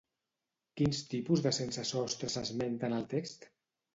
Quins tipus de sense-sostre s'esmenten al text?